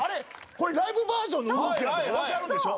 これライブバージョンの動きやとか分かるでしょ。